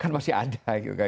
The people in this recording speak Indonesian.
kan masih ada